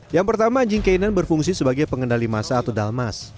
yang pertama anjing k sembilan berfungsi sebagai pengendali masa atau dalmas